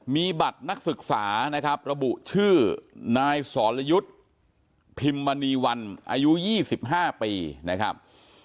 มีบัตรนักศึกษานะครับระบุชื่อนายสรยุทธ์พิมมณีวันอายุ๒๕ปีนะครับ